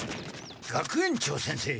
学園長先生！